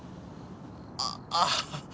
あっあぁ。